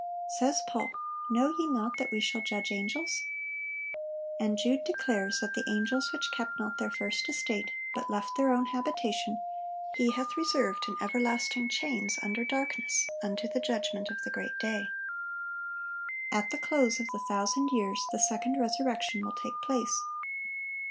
Says Paul, "Know ye not that we shall judge angel?"(1153) And Jude declares that "the angels which kept not their first estate, but left their own habitation, He hath reserved in everlasting chains under darkness unto the judgment of the great day."(1154) At the close of the thousand years the second resurrection will take place.